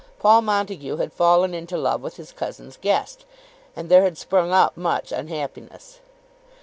Paul Montague had fallen into love with his cousin's guest, and there had sprung up much unhappiness.